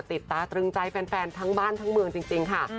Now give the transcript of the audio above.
ติดตาตรึงใจแฟนทั้งบ้านทั้งเมืองจริงค่ะ